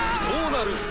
どうなる？